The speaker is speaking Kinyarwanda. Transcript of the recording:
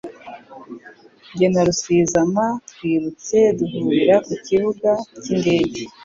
Jye na Rusizama twirutse duhurira ku kibuga cy'indege